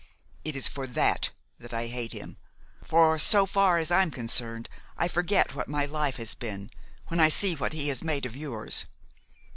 It is for that that I hate him; for, so far as I am concerned, I forget what my life has been, when I see what he has made of yours.